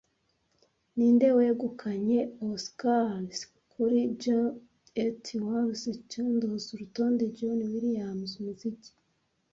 Ninde wegukanye Oscars kuri Jaws ET Star Wars Schindlers Urutonde John Williams (umuziki)